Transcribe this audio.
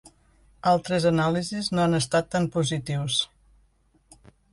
Altres anàlisis no han estat tan positius.